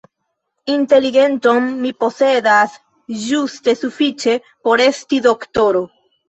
Inteligenton mi posedas ĝuste sufiĉe por esti doktoro.